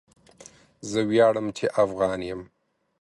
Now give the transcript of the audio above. زه وياړم چي افغان یم